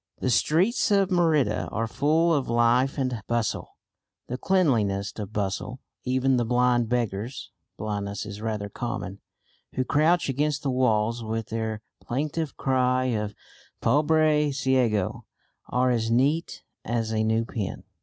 The streets of Merida are full of life and bustle, the cleanliest of bustle. Even the blind beggars (blindness is rather common) who crouch against the walls, with their plaintive cry of "Pobre Ciego," are as neat as a new pin.